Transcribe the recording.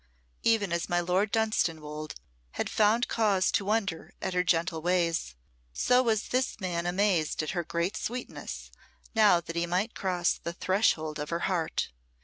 Even as my Lord Dunstanwolde had found cause to wonder at her gentle ways, so was this man amazed at her great sweetness, now that he might cross the threshold of her heart.